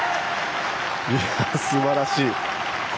いや、すばらしい。